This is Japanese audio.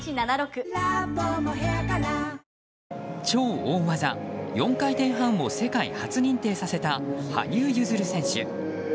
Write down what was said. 超大技、４回転半を世界初認定させた羽生結弦選手。